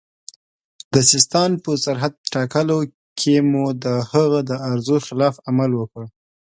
د سیستان په سرحد ټاکلو کې مو د هغه د ارزو خلاف عمل وکړ.